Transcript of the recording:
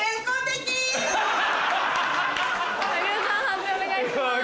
判定お願いします。